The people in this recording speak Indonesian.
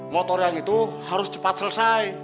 motor yang itu harus cepat selesai